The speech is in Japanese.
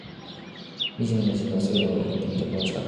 みじめな自分を、それでもいいって、認めてほしかった。